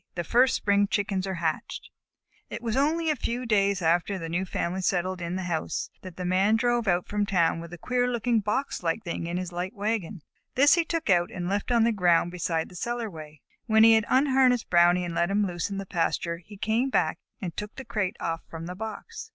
THE FIRST SPRING CHICKENS ARE HATCHED It was only a few days after the new family settled in the house that the Man drove out from town with a queer looking box like thing in his light wagon. This he took out and left on the ground beside the cellarway. When he had unharnessed Brownie and let him loose in the pasture, he came back and took the crate off from the box.